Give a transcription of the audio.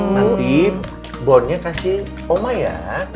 nanti bondnya kasih oma ya